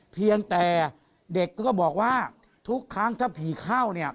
เพียงแต่เด็กก็บอกว่าทุกครั้งถ้าผีเข้าเนี่ย